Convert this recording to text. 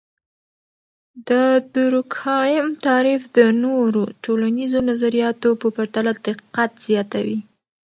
د دورکهايم تعریف د نورو ټولنیزو نظریاتو په پرتله دقت زیاتوي.